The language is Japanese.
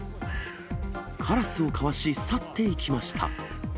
カラスをかわし、去っていきました。